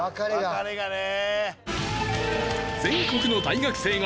別れがね。